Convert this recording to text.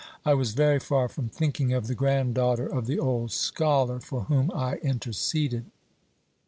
I was very far from thinking of the granddaughter of the old scholar for whom I interceded."